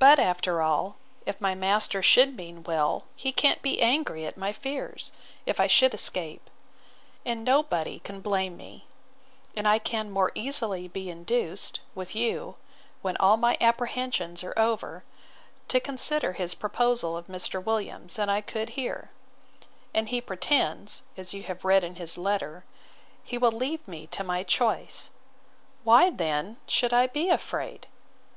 But, after all, if my master should mean well, he can't be angry at my fears, if I should escape; and nobody can blame me; and I can more easily be induced, with you, when all my apprehensions are over, to consider his proposal of Mr. Williams, than I could here; and he pretends, as you have read in his letter, he will leave me to my choice: Why then should I be afraid?